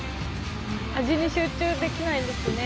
味に集中できないですね。